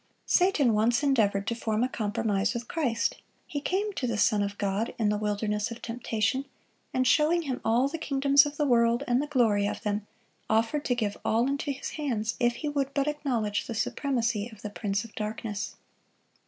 Satan once endeavoured to form a compromise with Christ. He came to the Son of God in the wilderness of temptation, and showing Him all the kingdoms of the world and the glory of them, offered to give all into His hands if He would but acknowledge the supremacy of the prince of darkness.